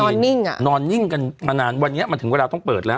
นิ่งอ่ะนอนนิ่งกันมานานวันนี้มันถึงเวลาต้องเปิดแล้ว